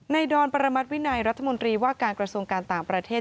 ดอนประมาทวินัยรัฐมนตรีว่าการกระทรวงการต่างประเทศ